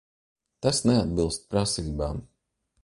Tas neatbilst pras?b?m.